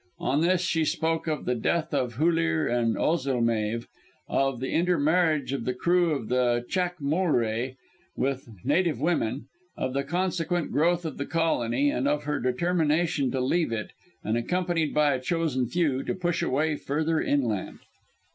On this she spoke of the death of Hullir and Ozilmeave, of the inter marriage of the crew of the Chaac molré with native women; of the consequent growth of the colony; and of her determination to leave it, and, accompanied by a chosen few, to push her way further inland.